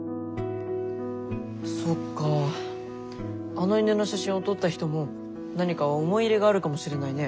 あの犬の写真を撮った人も何か思い入れがあるかもしれないね。